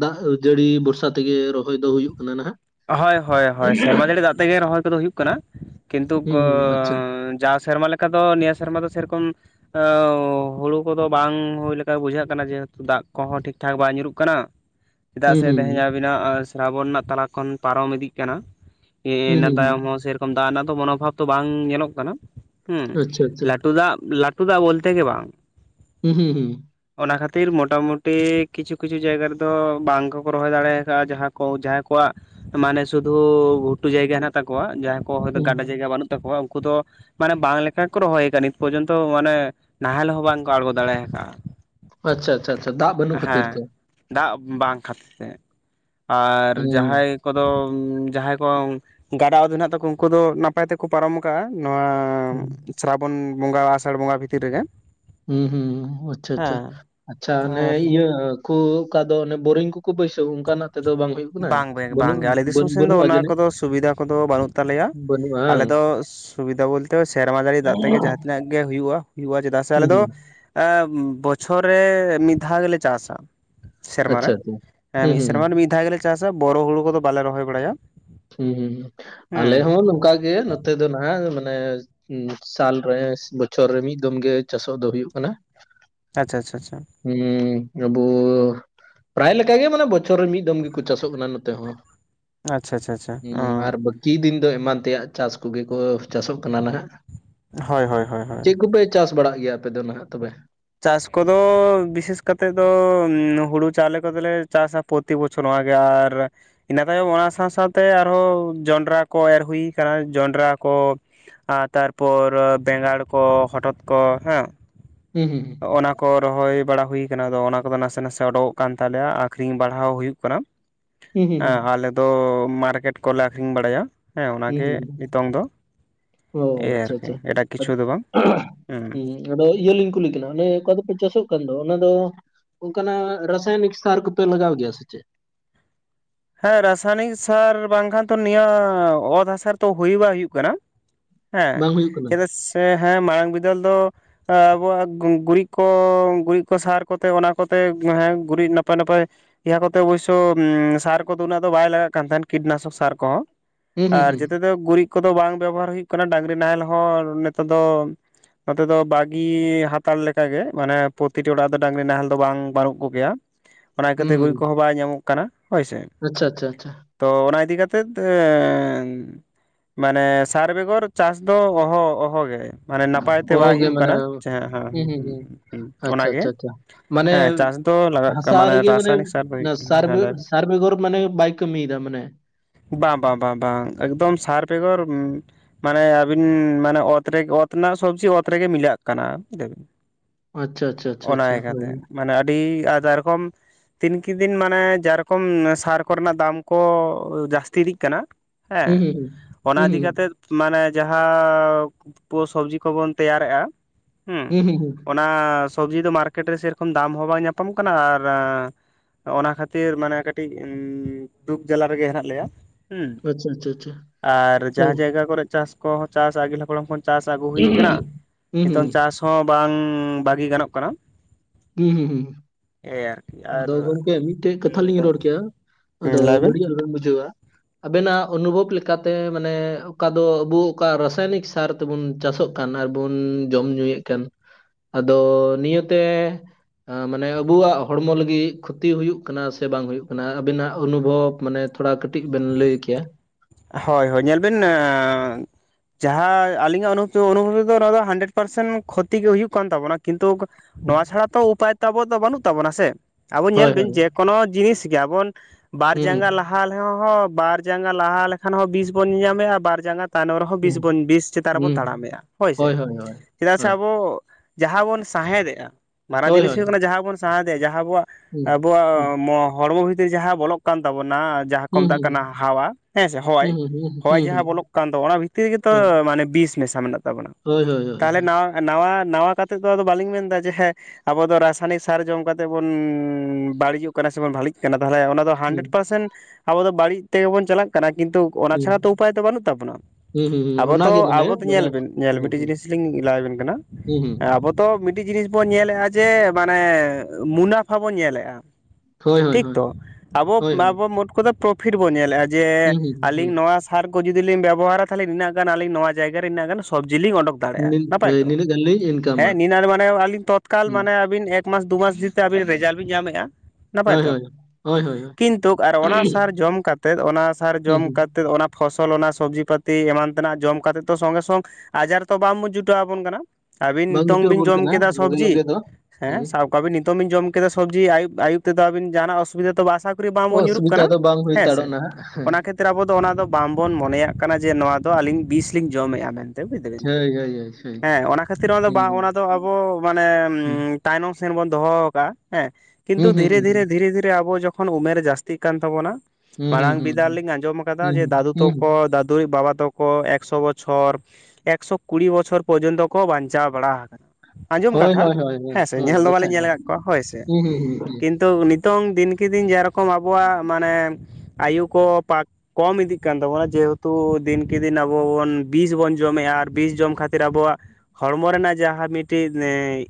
ᱫᱟᱜ ᱡᱟᱹᱲᱤ ᱵᱷᱚᱨᱥᱟ ᱛᱮᱜᱮ ᱨᱚᱦᱚᱭ ᱫᱚ ᱦᱩᱭᱩᱜ ᱠᱟᱱᱟ ᱱᱟᱦᱟᱜ᱾ ᱦᱳᱭ ᱦᱳᱭ ᱦᱳᱭ ᱥᱮᱨᱢᱟ ᱡᱟᱹᱲᱤ ᱫᱟᱜ ᱛᱮᱜᱮ ᱨᱚᱦᱚᱭ ᱠᱚᱫᱚ ᱦᱩᱭᱩᱜ ᱠᱟᱱᱟ᱾ ᱠᱤᱱᱛᱩ ᱦᱩᱸ, ᱦᱩᱸ, ᱟᱪᱪᱷᱟ, ᱡᱟᱣ ᱥᱮᱨᱢᱟ ᱞᱮᱠᱟ ᱫᱚ ᱱᱤᱭᱟᱹ ᱥᱮᱨᱢᱟ ᱫᱚ ᱥᱮ ᱨᱚᱠᱚᱢ ᱮᱳ ᱦᱩᱲᱩ ᱠᱚᱫᱚ ᱵᱟᱝ ᱦᱩᱭ ᱞᱮᱠᱟ ᱵᱩᱡᱷᱟᱹᱜ ᱠᱟᱱᱟ ᱡᱮᱦᱮᱛᱩ ᱫᱟᱜ ᱠᱚᱦᱚᱸ ᱴᱷᱤᱠ ᱴᱷᱟᱠ ᱵᱟᱝ ᱧᱩᱨᱩᱜ ᱠᱟᱱᱟ᱾ ᱪᱮᱫᱟᱜ ᱦᱩᱸ, ᱥᱮ ᱦᱩᱸ, ᱛᱮᱹᱦᱮᱹᱧ ᱦᱩᱸ, ᱟᱵᱤᱱᱟᱜ ᱥᱨᱟᱵᱚᱱ ᱨᱮᱱᱟᱜ ᱛᱟᱞᱟ ᱠᱷᱚᱱ ᱯᱟᱨᱚᱢ ᱤᱫᱤᱜ ᱠᱟᱱᱟ᱾ ᱠᱤ ᱦᱩᱸ, ᱤᱱᱟᱹ ᱛᱟᱭᱚᱢ ᱦᱚᱸ ᱥᱮ ᱨᱚᱠᱚᱢ ᱫᱟᱜ ᱨᱮᱱᱟᱜ ᱫᱚ ᱢᱚᱱᱳᱵᱷᱟᱵ ᱫᱚ ᱵᱟᱝ ᱧᱮᱞᱚᱜ ᱠᱟᱱᱟ᱾ ᱦᱩᱸ ᱟᱪᱪᱷᱟ, ᱟᱪᱪᱷᱟ, ᱞᱟᱹᱴᱩ ᱫᱟᱜ, ᱞᱟᱹᱴᱩ ᱫᱟᱜ ᱵᱚᱞᱛᱮ ᱜᱮ ᱵᱟᱝ᱾ ᱠᱤ ᱦᱤᱸ ᱦᱤᱸ, ᱚᱱᱟ ᱠᱷᱟᱹᱛᱤᱨ ᱢᱚᱴᱟ ᱢᱩᱴᱤ ᱠᱤᱪᱷᱩ ᱠᱤᱪᱷᱩ ᱡᱟᱭᱜᱟ ᱨᱮᱫᱚ ᱵᱟᱝ ᱠᱚᱠᱚ ᱨᱚᱦᱚᱭ ᱫᱟᱲᱮ ᱟᱠᱟᱫᱟ-ᱟ ᱡᱟᱦᱟᱸ ᱠᱚ ᱡᱟᱦᱟᱸᱭ ᱠᱚᱣᱟᱜ ᱢᱟᱱᱮ ᱥᱩᱫᱷᱩ ᱜᱷᱩᱴᱩ ᱡᱟᱭᱜᱟ ᱦᱮᱱᱟᱜ ᱛᱟᱠᱚᱣᱟ, ᱡᱟᱦᱟᱸᱭ ᱠᱚ ᱦᱚᱭ ᱛᱚ ᱦᱩᱸ, ᱜᱟᱰᱟ ᱡᱟᱭᱜᱟ ᱵᱟᱹᱱᱩᱜ ᱛᱟᱠᱚᱣᱟ ᱩᱱᱠᱩ ᱫᱚ ᱢᱟᱱᱮ ᱵᱟᱝ ᱞᱮᱠᱟ ᱠᱚ ᱨᱚᱦᱚᱭ ᱟᱠᱟᱫ-ᱟ, ᱱᱤᱛ ᱯᱚᱨᱡᱚᱱᱛᱚ ᱢᱟᱱᱮ ᱱᱟᱦᱮᱞ ᱦᱚᱸ ᱵᱟᱝ ᱠᱚ ᱟᱬᱜᱚ ᱫᱟᱲᱮ ᱠᱟᱜ-ᱟ᱾ ᱟᱪᱪᱷᱟ ᱟᱪᱪᱷᱟ ᱟᱪᱪᱷᱟ ᱫᱟᱜ ᱵᱟᱱᱩᱜ ᱠᱷᱟᱹᱛᱤᱨ ᱛᱮ᱾ ᱫᱟᱜ ᱵᱟᱝ ᱠᱷᱟᱹᱛᱤᱨ ᱛᱮ, ᱟᱨ ᱦᱩᱸ, ᱡᱟᱦᱟᱸᱭ ᱠᱚᱫᱚ ᱡᱟᱦᱟᱸᱭ ᱠᱚ ᱜᱟᱰᱟ ᱟᱫ ᱦᱮᱱᱟᱜ ᱛᱟᱠᱚᱣᱟ ᱩᱱᱠᱩ ᱫᱚ ᱱᱟᱯᱟᱭ ᱛᱮᱠᱚ ᱯᱟᱨᱚᱢ ᱠᱟᱜ-ᱟ ᱱᱚᱣᱟ ᱦᱩᱸ, ᱟ ᱥᱨᱟᱵᱚᱱ ᱵᱚᱸᱜᱟ ᱟᱥᱟᱲ ᱵᱚᱸᱜᱟ ᱵᱷᱤᱛᱤᱨ ᱨᱮᱜᱮ ᱦᱩᱸ ᱦᱩᱸ ᱟᱪᱪᱷᱟ ᱟᱪᱪᱷᱟ ᱦᱮᱸ ᱟᱪᱪᱷᱟ ᱟᱱᱮ ᱟᱨ ᱤᱭᱟᱹ ᱠᱩ ᱚᱠᱟᱫᱚ ᱚᱱᱮ ᱵᱳᱨᱤᱝ ᱠᱚᱠᱚ ᱵᱟᱹᱭᱥᱟᱹᱣᱟ ᱚᱱᱠᱟᱱᱟᱜ ᱛᱮᱫᱚ ᱵᱟᱝ ᱦᱩᱭᱩᱜ ᱠᱟᱱᱟ? ᱵᱟᱝ ᱵᱮ ᱵᱟᱹᱱᱩᱜ ᱵᱟᱝᱜᱮ ᱟᱞᱮ ᱫᱤᱥᱚᱢ ᱵᱟᱹᱱ- ᱥᱮᱱ ᱫᱚ ᱵᱟᱹᱱᱩᱜᱼᱟ ᱚᱱᱟ ᱡᱟᱹᱱᱤᱡ? ᱠᱚᱫᱚ ᱥᱩᱵᱤᱫᱟ ᱠᱚᱫᱚ ᱵᱟᱹᱱᱩᱜ ᱛᱟᱞᱮᱭᱟ ᱵᱟᱹᱱᱩᱜᱼᱟ ᱟᱞᱮ ᱵᱟᱝ? ᱫᱚ ᱥᱩᱵᱤᱫᱟ ᱵᱚᱞᱛᱮ ᱥᱮᱨᱢᱟ ᱡᱟᱹᱲᱤ ᱫᱟᱜ ᱛᱮᱜᱮ ᱡᱟᱦᱟᱸ ᱛᱤᱱᱟᱹᱜ ᱜᱮ ᱦᱩᱭᱩᱜ-ᱟ ᱦᱩᱭᱩᱜ-ᱟ ᱪᱮᱫᱟᱜ ᱥᱮ ᱦᱩᱸ, ᱟᱞᱮ ᱫᱚ ᱦᱩᱸ, ᱵᱚᱪᱷᱚᱨ ᱨᱮ ᱢᱤᱫ ᱫᱷᱟᱣ ᱜᱮᱞᱮ ᱪᱟᱥᱟ ᱥᱮᱨᱢᱟ ᱨᱮ ᱟᱪᱪᱷᱟ, ᱟᱪᱪᱷᱟ, ᱦᱩᱸ, ᱦᱮ ᱦᱩᱸ, ᱢᱤᱫ ᱦᱩᱸ᱾ ᱥᱮᱨᱢᱟ ᱨᱮ ᱢᱤᱫ ᱫᱷᱟᱣ ᱜᱮᱞᱮ ᱪᱟᱥᱟ ᱵᱚᱨᱚ ᱦᱩᱲᱩ ᱠᱚᱫᱚ ᱵᱟᱞᱮ ᱨᱚᱦᱚᱭ ᱵᱟᱲᱟᱭᱟ ᱦᱩᱸ ᱟᱞᱮ ᱦᱩᱸ ᱦᱚᱸ ᱱᱚᱝᱠᱟ ᱜᱮ ᱱᱚᱛ ᱛᱮ ᱫᱚ ᱱᱟᱦᱟᱜ ᱢᱟᱱᱮ ᱥᱟᱞ ᱨᱮ ᱵᱚᱪᱷᱚᱨ ᱨᱮ ᱢᱤᱫ ᱫᱚᱢ ᱜᱮ ᱪᱟᱥᱚᱜ ᱫᱚ ᱦᱩᱭᱩᱜ ᱠᱟᱱᱟ᱾ ᱟᱪᱪᱷᱟ ᱟᱪᱪᱷᱟ ᱪᱷᱟ ᱮ ᱟᱵᱩ ᱯᱨᱟᱭᱞᱮᱠᱟ ᱜᱮ ᱢᱟᱱᱮ ᱵᱚᱪᱷᱚᱨ ᱨᱮ ᱢᱤᱫ ᱫᱚᱢ ᱜᱮᱠᱚ ᱪᱟᱥᱚᱜ ᱠᱟᱱᱟ ᱱᱚᱛᱮ ᱦᱚᱸ ᱟᱪᱪᱷᱟ ᱟᱪᱪᱷᱟ ᱟᱪᱪᱷᱟ ᱦᱩᱸ ᱚ ᱟᱨ ᱵᱟᱹᱠᱤ ᱫᱤᱱ ᱫᱚ ᱮᱢᱟᱱ ᱛᱮᱭᱟᱜ ᱪᱟᱥ ᱠᱚᱜᱮ ᱠᱚ ᱪᱟᱥᱚᱜ ᱠᱟᱱᱟ ᱱᱟᱦᱟᱜ ᱦᱳᱭ ᱦᱳᱭ ᱦᱳᱭ ᱦᱳᱭ ᱪᱮᱫ ᱠᱚᱯᱮ ᱪᱟᱥ ᱵᱟᱲᱟᱜ ᱜᱮᱭᱟ ᱟᱯᱮ ᱫᱚ ᱱᱟᱦᱟᱜ ᱛᱚᱵᱮ? ᱪᱟᱥ ᱠᱚᱫᱚ ᱵᱤᱥᱮᱥ ᱠᱟᱛᱮᱫ ᱫᱚ ᱦᱩᱲᱩ ᱪᱟᱣᱞᱮ ᱠᱚᱫᱚᱞᱮ ᱪᱟᱥᱟ ᱯᱨᱚᱛᱤ ᱵᱚᱪᱷᱚᱨ ᱱᱚᱣᱟ ᱜᱮ ᱟᱨ ᱤᱱᱟᱹ ᱛᱟᱭᱚᱢ ᱚᱱᱟ ᱥᱟᱶ ᱥᱟᱶᱛᱮ ᱟᱨᱦᱚᱸ ᱡᱚᱸᱰᱨᱟ ᱠᱚ ᱮᱨ ᱦᱩᱭ ᱠᱟᱱᱟ ᱡᱚᱸᱰᱨᱟ ᱠᱚ ᱟᱨ ᱛᱟᱨᱯᱚᱨ ᱵᱮᱸᱜᱟᱲ ᱠᱚ ᱦᱚᱴᱚᱛ ᱠᱚ ᱦᱮᱸ ᱦᱩᱸ ᱦᱩᱸ ᱚᱱᱟ ᱠᱚ ᱨᱚᱦᱚᱭ ᱵᱟᱲᱟ ᱦᱩᱭ ᱠᱟᱱᱟ ᱟᱫᱚ ᱚᱱᱟ ᱠᱚᱫᱚ ᱱᱟᱥᱮ ᱱᱟᱥᱮ ᱚᱰᱳᱠᱚᱜ ᱠᱟᱱ ᱛᱟᱞᱮᱭᱟ ᱟᱠᱷᱨᱤᱧ ᱵᱟᱲᱟᱦᱟ ᱦᱩᱭᱩᱜ ᱠᱟᱱᱟ ᱦᱩᱸ ᱦᱩᱸ ᱦᱮᱸ ᱦᱩᱸ ᱟᱞᱮ ᱫᱚ ᱢᱟᱨᱠᱮᱴ ᱠᱚᱞᱮ ᱟᱠᱷᱨᱤᱧ ᱵᱟᱲᱟᱭᱟ ᱦᱮᱸ ᱦᱩᱸ ᱚᱱᱟᱜᱮ ᱦᱩᱸ ᱦᱩᱸ᱾ ᱱᱤᱛᱳᱝ ᱫᱚ ᱚ ᱮᱭ ᱟᱪᱪᱷᱟ ᱟᱨᱠᱤ ᱟᱪᱪᱷᱟ ᱮᱴᱟᱜ ᱠᱤᱪᱷᱩ ᱫᱚ ᱵᱟᱝ ᱦᱩᱸ ᱦᱮᱸ ᱟᱫᱚ ᱤᱭᱟᱹ ᱞᱤᱧ ᱠᱩᱞᱤ ᱠᱟᱱᱟ ᱚᱱᱮ ᱚᱠᱟ ᱫᱚᱯᱮ ᱪᱟᱥᱚᱜ ᱠᱟᱱ ᱫᱚ ᱚᱱᱟ ᱫᱚ ᱚᱱᱠᱟᱱᱟᱜ ᱨᱟᱥᱟᱭᱱᱤᱠ ᱥᱟᱨ ᱠᱚᱯᱮ ᱞᱟᱜᱟᱣ ᱜᱮᱭᱟ ᱥᱮ ᱪᱮᱫ? ᱦᱮᱸ ᱨᱟᱥᱟᱭᱚᱱᱤᱠ ᱥᱟᱨ ᱵᱟᱝᱠᱷᱟᱱ ᱛᱚ ᱱᱤᱭᱟᱹ ᱚᱛ ᱦᱟᱥᱟᱨᱮ ᱛᱚ ᱦᱳᱭ ᱵᱟᱝ ᱦᱩᱭᱩᱜ ᱠᱟᱱᱟ ᱦᱮᱸ ᱵᱟᱝ ᱦᱩᱭᱩᱜ ᱠᱟᱱᱟ ᱪᱮᱫᱟᱜ ᱥᱮ ᱦᱮᱸ ᱢᱟᱲᱟᱝ ᱵᱤᱫᱟᱹᱞ ᱫᱚ ᱟᱵᱚᱣᱟᱜ ᱜᱩᱨᱤᱡ ᱠᱚ ᱜᱩᱨᱤᱡ ᱠᱚ ᱥᱟᱨ ᱠᱚᱛᱮ ᱚᱱᱟ ᱠᱚᱛᱮ ᱦᱮᱸ ᱜᱩᱨᱤᱡ ᱱᱟᱯᱟᱭ ᱱᱟᱯᱟᱭ ᱤᱭᱟᱹ ᱠᱚᱛᱮ ᱚᱵᱚᱥᱥᱚ ᱥᱟᱨ ᱠᱚᱫᱚ ᱩᱱᱟᱹᱜ ᱫᱚ ᱵᱟᱭ ᱞᱟᱜᱟᱜ ᱠᱟᱱ ᱛᱟᱦᱮᱸᱱ ᱠᱤᱴᱱᱟᱥᱚᱠ ᱥᱟᱨ ᱠᱚᱦᱚᱸ ᱟᱨ ᱡᱮᱫᱮ ᱫᱚ ᱜᱩᱨᱤᱡ ᱠᱚᱫᱚ ᱵᱟᱝ ᱵᱮᱵᱚᱦᱟᱨ ᱦᱩᱭᱩᱜ ᱠᱟᱱᱟ ᱰᱟᱝᱨᱤ ᱱᱟᱦᱮᱞ ᱦᱚᱸ ᱱᱤᱛᱚᱜ ᱫᱚ ᱱᱚᱛᱮ ᱫᱚ ᱵᱟᱹᱜᱤ ᱦᱟᱛᱟᱲ ᱞᱮ ᱞᱮᱠᱟᱜ ᱜᱮ ᱢᱟᱱᱮ ᱯᱨᱚᱛᱤᱴᱤ ᱚᱲᱟᱜ ᱫᱚ ᱰᱟᱝᱨᱤ ᱱᱟᱦᱮᱞ ᱫᱚ ᱵᱟᱝ ᱵᱟᱹᱱᱩᱜ ᱠᱚᱜᱮᱭᱟ ᱚᱱᱟ ᱠᱷᱟᱹᱛᱤᱨ ᱜᱩᱨᱤᱡ ᱠᱚᱦᱚᱸ ᱵᱟᱭ ᱧᱟᱢᱚᱜ ᱠᱟᱱᱟ ᱦᱳᱭᱥᱮ ᱟᱪᱪᱷᱟ ᱟᱪᱪᱷᱟ ᱟᱪᱪᱷᱟ ᱛᱚ ᱚᱱᱟ ᱤᱫᱤ ᱠᱟᱛᱮᱫ ᱮ ᱢᱟᱱᱮ ᱥᱟᱨ ᱵᱮᱜᱚᱨ ᱪᱟᱥ ᱫᱚ ᱚᱦᱚ ᱚᱦᱚᱜᱮ ᱢᱟᱱᱮ ᱱᱟᱯᱟᱭ ᱛᱮ ᱵᱟᱭ ᱦᱩᱭᱩᱜ ᱠᱟᱱᱟ ᱪᱮᱦᱟᱜ ᱦᱮᱸ ᱦᱩᱸ ᱦᱩᱸ ᱚᱱᱟᱜᱮ ᱮ ᱪᱟᱥ ᱫᱚ ᱞᱟᱜᱟᱜ ᱠᱟᱱᱟ ᱢᱟᱱᱮ ᱨᱟᱥᱟᱭᱱᱤᱠ ᱥᱟᱨ ᱞᱟᱜᱤᱫ ᱦᱮᱸ ᱞᱟᱹᱭ ᱵᱤᱱ ᱢᱟᱱᱮ ᱵᱟᱭ ᱠᱟᱹᱢᱤᱭᱮᱫᱟ ᱢᱟᱱᱮ ᱵᱟ ᱵᱟ ᱵᱟ ᱵᱟᱝ ᱮᱠᱫᱚᱢ ᱥᱟᱨ ᱵᱮᱜᱚᱨ ᱢᱟᱱᱮ ᱟᱵᱤᱱ ᱢᱟᱱᱮ ᱚᱛ ᱨᱮᱜᱮ ᱚᱛ ᱨᱮᱱᱟᱜ ᱥᱚᱵᱽᱡᱤ ᱚᱛ ᱨᱮᱜᱮ ᱢᱤᱞᱟᱜ ᱠᱟᱱᱟ ᱞᱟᱹᱭᱵᱤᱱ ᱚᱱᱟ ᱮᱠᱟᱛᱮ ᱢᱟᱱᱮ ᱟᱹᱰᱤ ᱟᱭᱫᱟ ᱨᱚᱠᱚᱢ ᱛᱤᱱᱠᱮ ᱫᱤᱱ ᱢᱟᱱᱮ ᱡᱟ ᱨᱚᱠᱚᱢ ᱥᱟᱨ ᱠᱚᱨᱮᱱᱟᱜ ᱫᱟᱢ ᱠᱚ ᱡᱟᱹᱥᱛᱤ ᱤᱫᱤᱜ ᱠᱟᱱᱟ ᱦᱮᱸ ᱚᱱᱟ ᱤᱫᱤ ᱠᱟᱛᱮᱜ ᱢᱟᱱᱮ ᱡᱟᱦᱟᱸ [unintelligible] ᱥᱚᱵᱽᱡᱤ ᱠᱚᱵᱚᱱ ᱛᱮᱭᱟᱨᱮᱜᱼᱟ ᱦᱩᱸ [inaudible] ᱚᱱᱟ ᱥᱚᱵᱡᱤ ᱫᱚ ᱢᱟᱨᱠᱮᱴ ᱨᱮ ᱥᱮ ᱨᱚᱠᱚᱢ ᱫᱟᱢ ᱦᱚᱸ ᱵᱟᱝ ᱧᱟᱯᱟᱜ ᱠᱟᱱᱟ ᱟᱨ ᱚᱱᱟ ᱠᱷᱟᱹᱛᱤᱨ ᱢᱟᱱᱮ ᱠᱟᱹᱴᱤᱡ ᱫᱩᱠᱷ ᱡᱟᱞᱟ ᱨᱮᱜᱮ ᱦᱮᱱᱟᱜ ᱞᱮᱭᱟ ᱦᱩᱸ ᱟᱨ ᱡᱟᱦᱟᱸ ᱡᱟᱭᱜᱟ ᱠᱚᱨᱮ ᱪᱟᱥ ᱠᱚᱦᱚᱸ ᱪᱟᱥ ᱟᱹᱜᱤᱞ ᱦᱟᱯᱲᱟᱢ ᱠᱷᱚᱱ ᱪᱟᱥ ᱟᱹᱜᱩ ᱦᱩᱭ ᱟᱠᱟᱱᱟ ᱱᱤᱛᱚᱝ ᱪᱟᱥ ᱦᱚᱸ ᱵᱟᱝ ᱵᱟᱹᱜᱤ ᱜᱟᱱᱚᱜ ᱠᱟᱱᱟ᱾ ᱤ ᱦᱤ ᱦᱤ ᱮᱭ ᱟᱨᱠᱤ ᱦᱤ ᱟᱨ ᱫᱚ ᱜᱚᱝᱠᱮ ᱢᱤᱫᱴᱮᱡ ᱠᱟᱛᱷᱟ ᱞᱤᱧ ᱨᱚᱲ ᱠᱮᱭᱟ᱾ ᱟᱫᱚ ᱞᱟᱹᱭ ᱵᱮᱱ ᱵᱟᱹᱲᱤᱡ ᱟᱞᱚᱵᱤᱱ ᱵᱩᱡᱷᱟᱹᱣᱟ᱾ ᱟᱵᱮᱱᱟᱜ ᱚᱱᱩᱵᱷᱚᱵ ᱞᱮᱠᱟᱛᱮ ᱢᱟᱱᱮ ᱚᱠᱟ ᱫᱚ ᱟᱵᱚ ᱚᱠᱟ ᱨᱟᱥᱟᱭᱱᱤᱠ ᱥᱟᱨ ᱛᱮᱵᱚᱱ ᱪᱟᱥᱚᱜ ᱠᱟᱱ ᱟᱨ ᱵᱚᱱ ᱡᱚᱢ ᱧᱩᱭᱮᱫ ᱠᱟᱱ ᱟᱫᱚ ᱱᱤᱭᱟᱹᱛᱮ ᱟᱸ ᱢᱟᱱᱮ ᱟᱵᱚᱣᱟᱜ ᱦᱚᱲᱢᱚ ᱞᱟᱹᱜᱤᱫ ᱠᱷᱚᱛᱤ ᱦᱩᱭᱩᱜ ᱠᱟᱱᱟ ᱥᱮ ᱵᱟᱝ ᱦᱩᱭᱩᱜ ᱠᱟᱱᱟ ᱟᱵᱤᱱᱟᱜ ᱚᱱᱩᱵᱷᱚᱵᱽ ᱢᱟᱱᱮ ᱛᱷᱚᱲᱟ ᱠᱟᱹᱴᱤᱡ ᱵᱮᱱ ᱞᱟᱹᱭ ᱠᱮᱭᱟ᱾ ᱦᱳᱭ ᱦᱳᱭ ᱧᱮᱞᱵᱤᱱ ᱮᱻ ᱡᱟᱦᱟᱸ ᱟᱞᱤᱧᱟᱜ ᱚᱱᱩᱵᱷᱩᱵ ᱛᱮ ᱚᱱᱩᱵᱷᱚᱵ ᱛᱮ ᱫᱚ ᱦᱟᱱᱰᱮᱰ ᱯᱟᱨᱥᱮᱱ ᱠᱷᱚᱛᱤ ᱜᱮ ᱦᱩᱭᱩᱜ ᱠᱟᱱ ᱛᱟᱵᱚᱱᱟ᱾ ᱠᱤᱱᱛᱩ ᱦᱩᱸ, ᱱᱚᱣᱟ ᱪᱷᱟᱲᱟ ᱛᱚ ᱩᱯᱟᱭ ᱛᱚ ᱟᱵᱚᱣᱟᱜ ᱫᱚ ᱵᱟᱹᱱᱩᱜ ᱛᱟᱵᱚᱱᱟ ᱥᱮ ᱟᱵᱚ ᱧᱮᱞ ᱦᱳᱭ ᱵᱤᱱ ᱦᱳᱭ ᱡᱮ ᱠᱚᱱᱚ ᱡᱤᱱᱤᱥ ᱜᱮ ᱟᱵᱚᱱ ᱵᱟᱨ ᱦᱩᱸ ᱦᱩᱸ ᱡᱟᱸᱜᱟ ᱞᱟᱦᱟ ᱞᱮᱦᱚᱸ ᱦᱚᱸ ᱵᱟᱨ ᱡᱟᱸᱜᱟ ᱞᱟᱦᱟ ᱠᱷᱟᱱ ᱦᱚᱸ ᱵᱤᱥ ᱵᱚᱱ ᱧᱮᱧᱟᱢᱮᱫᱼᱟ ᱵᱟᱨ ᱡᱟᱸᱜᱟ ᱛᱟᱭᱱᱚᱢ ᱨᱮᱦᱚᱸ ᱵᱤᱥ ᱦᱩᱸ ᱵᱚᱱ ᱵᱤᱥ ᱪᱮᱛᱟᱱ ᱨᱮᱵᱚᱱ ᱦᱩᱸ ᱛᱟᱲᱟᱢᱮᱫ-ᱟ ᱦᱳᱭ ᱥᱮ ᱪᱮᱫᱟᱜ ᱥᱮ ᱟᱵᱚ ᱡᱟᱦᱟᱸ ᱵᱚᱱ ᱥᱟᱦᱮᱸᱫ ᱮᱫᱼᱟ ᱢᱟᱨᱟᱝ ᱦᱳᱭ ᱡᱤᱱᱤᱥ ᱦᱳᱭ ᱦᱩᱭᱩᱜ ᱠᱟᱱᱟ ᱡᱟᱦᱟᱸ ᱵᱚᱱ ᱥᱟᱦᱮᱸᱫ ᱮᱫᱼᱟ ᱡᱟᱦᱟᱸ ᱟᱵᱚᱣᱟᱜ ᱦᱩᱸ ᱟᱵᱚᱣᱟᱜ ᱢᱚ ᱦᱚᱲᱢᱚ ᱵᱷᱤᱛᱨᱤ ᱡᱟᱦᱟᱸ ᱵᱚᱞᱚᱜ ᱠᱟᱱ ᱛᱟᱵᱚᱱᱟ ᱡᱟᱦᱟᱸ ᱠᱚ ᱦᱩᱸ ᱦᱩᱸ ᱢᱮᱛᱟᱜ ᱦᱩᱸ ᱠᱟᱱᱟ ᱦᱟᱣᱟ ᱦᱮᱸᱥᱮ ᱦᱚᱭ, ᱦᱩᱸ ᱦᱩᱸ ᱦᱩᱸ ᱦᱚᱭ ᱦᱩᱸ ᱡᱟᱦᱟᱸ ᱦᱩᱸ ᱵᱚᱞᱚᱜ ᱠᱟᱱ ᱫᱚ ᱚᱱᱟ ᱵᱷᱤᱛᱤᱨ ᱨᱮᱜᱮᱛᱚ ᱢᱟᱱᱮ ᱵᱤᱥ ᱢᱮᱥᱟ ᱢᱮᱱᱟᱜ ᱛᱟᱵᱚᱱᱟ ᱦᱳᱭ ᱦᱳᱭ ᱦᱳᱭ ᱦᱳᱭ ᱛᱟᱦᱚᱞᱮ ᱦᱳᱭ ᱱᱟᱣᱟ ᱱᱟᱣᱟ ᱱᱟᱣᱟ ᱠᱟᱛᱮ ᱫᱚ ᱟᱫᱚ ᱵᱟᱹᱞᱤᱧ ᱢᱮᱱᱫᱟ ᱡᱮ ᱦᱮᱸ ᱟᱵᱚ ᱫᱚ ᱨᱟᱥᱟᱭᱚᱱᱤᱠ ᱥᱟᱨ ᱡᱚᱢ ᱠᱟᱛᱮᱫ ᱵᱚᱱ ᱵᱟᱹᱲᱤᱡᱚᱜ ᱠᱟᱱᱟ ᱥᱮᱵᱚᱱ ᱵᱟᱹᱞᱤᱜ ᱠᱟᱱᱟ ᱛᱟᱦᱚᱞᱮ ᱚᱱᱟ ᱫᱚ ᱦᱩᱸ ᱦᱩᱸ ᱦᱟᱱᱰᱨᱮᱰ ᱯᱟᱨᱥᱮᱱᱴ ᱟᱵᱚ ᱫᱚ ᱵᱟᱹᱲᱤᱡ ᱛᱮᱜᱮ ᱵᱚᱱ ᱪᱟᱞᱟᱜ ᱠᱟᱱᱟ ᱠᱤᱱᱛᱩ ᱚᱱᱟ ᱪᱷᱟᱲᱟ ᱦᱩᱸ ᱛᱚ ᱩᱯᱟᱭ ᱛᱚ ᱵᱟᱹᱱᱩᱜ ᱛᱟᱵᱚᱱᱟ᱾ ᱦᱩᱸ ᱦᱩᱸ ᱟᱵᱚ ᱛᱚ ᱚᱱᱟᱜᱮ ᱢᱟᱱᱮ ᱟᱵᱚᱛᱮ ᱢᱟᱱᱮ ᱧᱮᱞ ᱵᱤᱱ, ᱧᱮᱞ ᱦᱩᱸ ᱵᱤᱱ ᱦᱩᱸ ᱢᱤᱫᱴᱮᱱ ᱞᱤᱧ ᱞᱟᱹᱭ ᱟᱹᱵᱤᱱ ᱠᱟᱱᱟ ᱦᱩᱸ ᱦᱩᱸ ᱟᱵᱚ ᱛᱚ ᱢᱤᱫᱴᱤᱡ ᱡᱤᱱᱤᱥ ᱵᱚᱱ ᱧᱮᱞᱮᱫᱼᱟ ᱡᱮ ᱢᱟᱱᱮ ᱢᱩᱱᱟᱯᱷᱟ ᱵᱚᱱ ᱧᱮᱞᱮᱫᱼᱟ᱾ ᱦᱳᱭ ᱦᱳᱭ ᱴᱷᱤᱠ ᱦᱳᱭ ᱛᱚ ᱟᱵᱚ ᱦᱳᱭ ᱦᱳᱭ ᱟᱵᱚ ᱢᱳᱴ ᱠᱚᱛᱷᱟ ᱯᱨᱚᱯᱷᱤᱴ ᱵᱚᱱ ᱧᱮᱞᱮᱫᱼᱟ ᱡᱮ ᱦᱩᱸ ᱦᱩᱸ ᱟᱞᱤᱧ ᱦᱩᱸ ᱱᱚᱣᱟ ᱥᱟᱨ ᱠᱚ ᱡᱩᱫᱤ ᱞᱤᱧ ᱵᱮᱵᱚᱦᱟᱨᱟ ᱛᱟᱦᱚᱞᱮ ᱱᱤᱱᱟᱹᱜ ᱜᱟᱱ ᱟᱞᱤᱧ ᱱᱚᱣᱟ ᱡᱟᱭᱜᱟ ᱨᱮ ᱱᱤᱱᱟᱹᱜ ᱜᱟᱱ ᱥᱚᱵᱡᱤ ᱞᱤᱧ ᱚᱰᱳᱠ ᱫᱟᱲᱮᱭᱟᱜᱼᱟ ᱱᱤᱱ ᱱᱟᱯᱟᱭ ᱦᱳᱭ ᱛᱚ, ᱱᱤᱱᱟᱹᱜ ᱜᱟᱱ ᱞᱤᱧ ᱤᱱᱠᱟᱢᱟ ᱦᱮᱸ ᱱᱤᱱᱟᱨ ᱢᱟᱱᱮ ᱟᱹᱞᱤᱧ ᱛᱚᱛ ᱠᱟᱞ ᱦᱩᱸ ᱢᱟᱱᱮ ᱟᱵᱤᱱ ᱮᱠᱢᱟᱥ ᱫᱩ ᱢᱟᱥ ᱫᱷᱤᱨ ᱛᱮ ᱟᱹᱵᱤᱱ ᱨᱮᱡᱟᱞᱴ ᱵᱤᱱ ᱧᱟᱢᱮᱫᱼᱟ᱾ ᱱᱟᱯᱟᱭ ᱦᱳᱭ ᱛᱚ ᱦᱳᱭ ᱦᱳᱭ ᱦᱳᱭ ᱦᱳᱭ ᱠᱤᱱᱛᱩᱜ ᱟᱨ ᱚᱱᱟ ᱥᱟᱨ ᱡᱚᱢ ᱠᱟᱛᱮᱫ ᱚᱱᱟ ᱥᱟᱨ ᱦᱩᱸ ᱡᱚᱢ ᱦᱩᱸ ᱠᱟᱛᱮ ᱛᱮᱫᱚ ᱚᱱᱟ ᱯᱷᱚᱥᱚᱞ ᱚᱱᱟ ᱥᱚᱵᱽᱡᱤ ᱯᱟᱹᱛᱤ ᱮᱢᱟᱱ ᱛᱮᱱᱟᱜ ᱡᱚᱢ ᱠᱟᱛᱮᱫ ᱛᱚ ᱥᱚᱸᱜᱮ ᱥᱚᱝ ᱟᱡᱟᱨ ᱛᱚ ᱵᱟᱢ ᱡᱩᱴᱟᱹ ᱟᱵᱚᱱ ᱠᱟᱱᱟ ᱟᱹᱵᱤᱱ ᱵᱟᱝ ᱱᱤᱛᱚᱝ ᱡᱩᱴᱟᱹᱣ ᱵᱤᱱ ᱟᱵᱚᱱ ᱡᱚᱢ ᱠᱟᱱᱟ ᱠᱮᱫᱟ ᱞᱚᱜᱮ ᱥᱚᱵᱽᱡᱤ ᱞᱚᱜᱮ ᱫᱚ ᱦᱮᱸ ᱦᱩᱸ ᱥᱟᱵ ᱟᱵᱤᱱ ᱱᱤᱛᱚᱢ ᱵᱤᱱ ᱡᱚᱢ ᱠᱮᱫᱟ ᱥᱚᱵᱽᱡᱤ ᱟᱭᱩᱵ ᱟᱭᱩᱵ ᱛᱮᱫᱚ ᱟᱵᱤᱱ ᱡᱟᱦᱱᱟᱜ ᱚᱥᱩᱵᱤᱫᱷᱟ ᱛᱚ ᱵᱟᱭᱥᱟᱵ ᱯᱩᱠᱨᱤ ᱵᱟᱝᱵᱚᱱ ᱧᱩᱨᱩᱜ ᱠᱟᱱᱟ ᱦᱮᱸ ᱥᱮ ᱟᱜ ᱦᱮᱸ ᱾ ᱚᱱᱟ ᱠᱷᱮᱛᱨᱮ ᱟᱵᱚ ᱫᱚ ᱚᱱᱟ ᱫᱚ ᱵᱟᱝ ᱵᱚᱱ ᱢᱚᱱᱮᱭᱟᱜ ᱠᱟᱱᱟ ᱡᱮ ᱱᱚᱣᱟ ᱫᱚ ᱟᱹᱞᱤᱧ ᱵᱤᱥ ᱞᱤᱧ ᱡᱚᱢᱮᱜᱼᱟ ᱢᱮᱱ ᱛᱮ ᱵᱩᱡ ᱫᱟᱵᱮᱱ ᱦᱳᱭ ᱦᱳᱭ ᱦᱳᱭ ᱦᱳᱭ ᱦᱮᱸ ᱚᱱᱟ ᱠᱷᱟᱹᱛᱤᱨ ᱚᱱᱟ ᱫᱚ ᱦᱩᱸ ᱵᱟᱸ ᱚᱱᱟ ᱫᱚ ᱟᱵᱚ ᱢᱟᱱ ᱛᱟᱭᱱᱚᱢ ᱥᱮᱱ ᱵᱚᱱ ᱫᱚᱦᱚ ᱠᱟᱜ-ᱟ ᱦᱮᱸ ᱠᱤᱱᱛᱩ ᱦᱩᱸ ᱦᱩᱸ ᱦᱩᱸ ᱫᱷᱤᱨᱮ ᱦᱩᱸ ᱫᱷᱤᱨᱮ ᱫᱷᱤᱨᱮ ᱫᱷᱤᱨᱮ ᱟᱵᱚ ᱡᱚ ᱠᱷᱚᱱ ᱩᱢᱮᱨ ᱡᱟᱹᱥᱛᱤᱜ ᱠᱟᱱ ᱛᱟᱵᱚᱱᱟ ᱾ ᱦᱩᱸ ᱦᱩᱸ ᱦᱩᱸ ᱾ ᱡᱟ ᱞᱤᱧ ᱟᱸᱡᱚᱢ ᱠᱟᱫᱟ ᱡᱮ ᱫᱟᱫᱩ ᱛᱟᱠᱚ ᱫᱟᱫᱩᱨᱤᱡ ᱵᱟᱵᱟ ᱛᱟᱠ ᱠᱚ ᱮᱠᱥᱚ ᱵᱚᱪᱷᱚᱨ ᱮᱠᱥᱚ ᱠᱩᱲᱤ ᱵᱚᱪᱷᱚᱨ ᱯᱚᱨᱡᱚᱱᱛᱚ ᱠᱚ ᱵᱟᱧᱪᱟᱣ ᱵᱟᱲᱟ ᱟᱠᱟᱱᱟ ᱾ ᱟᱸᱡᱚᱢ ᱦᱳᱭ ᱠᱟᱛᱷᱟ ᱦᱳᱭ ᱦᱳᱭ ᱦᱳᱭ ᱦᱮᱸᱥᱮ ᱦᱳᱭ ᱧᱮᱞ ᱫᱚ ᱵᱟᱞᱮ ᱵᱟᱠᱷᱟᱡ ᱧᱮᱞ ᱠᱟᱜ ᱠᱚᱣᱟ ᱦᱳᱭ ᱥᱮ ᱦᱩᱸ ᱦᱩᱸ ᱦᱩᱸ ᱦᱩᱸ ᱠᱤᱱ ᱛᱚ ᱱᱤᱛᱚᱝ ᱫᱤᱱᱠᱮ ᱫᱤᱱ ᱡᱟᱨᱚᱠᱚᱢ ᱟᱵᱚᱣᱟᱜ ᱢᱟᱱᱮ ᱟᱭᱩᱵ ᱠᱚ ᱯᱟᱠ ᱠᱚᱢ ᱤᱫᱤᱜ ᱠᱟᱱ ᱛᱟᱵᱚᱱᱟ ᱡᱮᱦᱮᱛᱩ ᱫᱤᱱᱠᱮ ᱫᱤᱱ ᱟᱵᱚ ᱵᱚᱱ ᱵᱤᱥ ᱵᱚᱱ ᱡᱚᱢᱮᱜ-ᱟ ᱟᱨ ᱵᱤᱥ ᱡᱚᱢ ᱠᱷᱟᱹ- ᱛᱤᱨ ᱟᱵᱚᱣᱟᱜ ᱦᱚᱲᱢᱚ ᱨᱮᱱᱟᱜ ᱡᱟᱦᱟᱸ ᱢᱤᱴᱤᱡ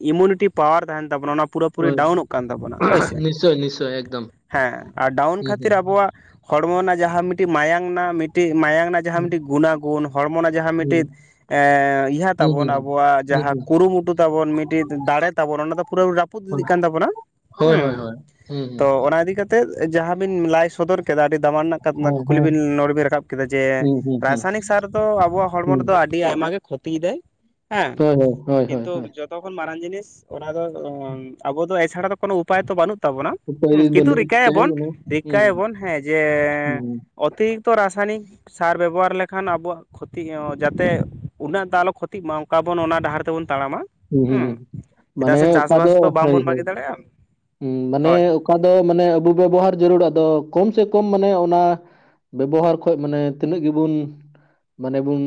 ᱤᱢᱩᱱᱤᱴᱤ ᱯᱟᱣᱟᱨ ᱛᱟᱦᱮᱸᱱ ᱛᱟᱵᱚᱱᱟ ᱚᱱᱟ ᱯᱩᱨᱟᱹ ᱯᱩᱨᱤ ᱦᱳᱭ ᱰᱟᱣᱩᱱᱚᱜ ᱠᱟᱱ ᱛᱟᱵᱚᱱᱟ ᱦᱳᱭ ᱥᱮ ᱱᱤᱥᱪᱳᱭ ᱱᱤᱥᱪᱳᱭ ᱮᱠᱫᱚᱢ ᱦᱮᱸ ᱟᱨ ᱰᱟᱣᱩᱱ ᱦᱩᱸ ᱠᱷᱟᱹᱛᱤᱨ ᱦᱩᱸ ᱟᱵᱚᱣᱟᱜ ᱦᱚᱲᱢᱚ ᱨᱮᱱᱟᱜ ᱡᱟᱦᱟᱸ ᱢᱤᱫᱴᱤᱡ ᱢᱟᱭᱟᱝ ᱨᱮᱱᱟᱜ ᱢᱤᱫᱴᱤᱡ ᱢᱟᱭᱟᱝ ᱨᱮᱱᱟᱜ ᱡᱟᱦᱟᱸ ᱦᱩᱸ ᱢᱤᱫᱴᱤᱡ ᱜᱩᱱᱟ-ᱜᱩᱱ ᱦᱚᱲᱢᱚ ᱨᱮᱱᱟᱜ ᱡᱟᱦᱟᱸ ᱦᱩᱸ ᱢᱤᱫᱴᱤᱡ ᱮ ᱤᱦᱟᱹ ᱦᱩᱸ ᱛᱟᱵᱚᱱ ᱦᱩᱸ ᱟᱵᱚᱣᱟᱜ ᱦᱩᱸ ᱡᱟᱦᱟᱸ ᱦᱩᱸ ᱠᱩᱨᱩᱢᱩᱴᱩ ᱛᱟᱵᱚᱱ ᱢᱤᱫᱴᱤᱡ ᱫᱟᱲᱮ ᱛᱟᱵᱚᱱ ᱚᱱᱟ ᱫᱚ ᱯᱩᱨᱟᱹ ᱨᱟ- ᱯᱩᱫ ᱦᱩᱸ ᱤᱫᱤᱜ ᱠᱟᱱ ᱛᱟᱵᱚᱱᱟ᱾ ᱦᱳᱭ ᱦᱳᱭ ᱦᱳᱭ ᱦᱩᱸ ᱦᱩᱸ, ᱛᱮᱫ ᱡᱟᱦᱟᱸ ᱵᱤᱱ ᱞᱟᱭ ᱥᱚᱫᱚᱨ ᱠᱮᱫᱟ ᱟᱹᱰᱤ ᱫᱟᱢᱟᱱ ᱨᱮᱱᱟᱜ ᱠᱟᱛ ᱦᱮᱸ ᱠᱩᱠᱞᱤ ᱦᱮᱸ ᱵᱤᱱ ᱱᱚᱲᱵᱤᱱ ᱨᱟᱠᱟᱵ ᱠᱮᱫᱟ ᱡᱮ ᱦᱩᱸ ᱦᱩᱸ ᱦᱩᱸ ᱨᱟᱥᱟᱭᱱᱤᱠ ᱥᱟᱨ ᱫᱚ ᱟᱵᱚᱣᱟᱜ ᱦᱚᱲᱢᱚ ᱦᱩᱸ ᱨᱮᱫᱚ ᱟᱹᱰᱤ ᱟᱭᱢᱟ ᱜᱮ ᱠᱷᱚᱛᱤᱭ ᱫᱟᱭ᱾ ᱦᱮᱸ ᱦᱳᱭ ᱦᱳᱭ ᱦᱳᱭ ᱦᱳᱭ ᱠᱤᱱᱛᱩ ᱦᱳᱭ ᱡᱚ- ᱛᱚ ᱠᱷᱚᱱ ᱢᱟᱨᱟᱝ ᱡᱤᱱᱤᱥ ᱚᱱᱟ ᱫᱚ ᱟᱵᱚ ᱫᱚ ᱮᱪᱷᱟᱲᱟ ᱫᱚ ᱠᱳᱱᱳ ᱩᱯᱟᱹᱭ ᱛᱚ ᱵᱟᱹᱱᱩᱜ ᱛᱟᱵᱚᱱᱟ ᱩᱯᱟᱹᱭ ᱠᱤᱱᱛᱩ ᱵᱟᱹᱱᱩᱜ ᱨᱤᱠᱟᱹᱭ ᱛᱮ ᱟᱵᱚᱱ ᱢᱟᱱᱮ ᱨᱤᱠᱟᱹᱭ ᱦᱩᱸ ᱟᱵᱚᱱ ᱦᱮᱸ᱾ ᱡᱮ ᱦᱩᱸ, ᱚᱛᱤᱨᱤᱠᱛᱚ ᱨᱟᱥᱟᱭᱱᱤᱠ ᱥᱟᱨ ᱵᱮᱵᱚᱦᱟᱨ ᱞᱮᱠᱷᱟᱱ ᱟᱵᱚᱣᱟᱜ ᱠᱷᱚᱛᱤ ᱚ ᱡᱟᱛᱮ ᱩᱱᱟᱹᱜ ᱫᱟ ᱟᱞᱚ ᱠᱷᱚᱛᱤᱜ ᱢᱟ ᱚᱝᱠᱟ ᱵᱚᱱ ᱚᱱᱟ ᱰᱟᱦᱟᱨ ᱛᱮᱵᱚᱱ ᱛᱟᱲᱟᱢᱟ᱾ ᱦᱩᱸ ᱦᱮᱸ ᱦᱩᱸ ᱪᱮᱫᱟᱜ ᱢᱟᱱᱮ ᱥᱮ ᱚᱠᱟ ᱫᱚ ᱪᱟᱥᱵᱟᱥ ᱛᱚ ᱦᱳᱭ ᱵᱟᱝᱵᱚᱱ ᱦᱳᱭ, ᱵᱟᱹᱜᱤ ᱫᱟᱲᱮᱭᱟᱜᱼᱟ ᱢᱟᱱᱮ ᱦᱳᱭ ᱚᱠᱟ ᱫᱚ ᱢᱟᱱᱮ ᱟᱵᱩ ᱵᱮᱵᱚᱦᱟᱨ ᱡᱟᱹᱨᱩᱲ ᱟᱫᱚ ᱠᱚᱢ ᱥᱮ ᱠᱚᱢ ᱢᱟᱱᱮ ᱚᱱᱟ ᱵᱮᱵᱚᱦᱟᱨ ᱠᱷᱚᱡ ᱢᱟᱱᱮ ᱛᱤᱱᱟᱹᱜ ᱜᱮᱵᱩᱱ ᱢᱟᱱᱮ ᱵᱩᱱ